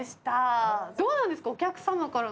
どうなんですか？